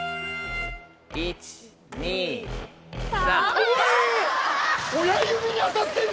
１・２・３。